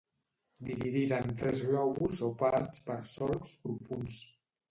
Dividida en tres lòbuls o parts per solcs profunds.